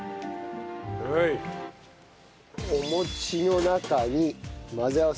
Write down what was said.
お餅の中に混ぜ合わせる。